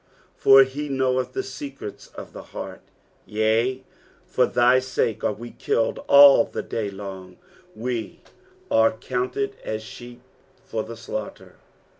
for he knoweth the secrets of the heart. 22 Yea, for thy sake are we kilted all the day long ; we are counted as sheep for the slaughter.